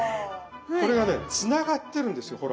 これがねつながってるんですよほら。